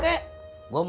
kamu juga suka